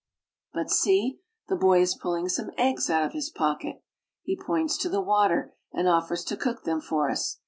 But see, the boy is pulling some eggs out of his pocket ! He points to the water, and offers to cook them for us.